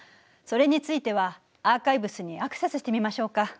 それについてはアーカイブスにアクセスしてみましょうか。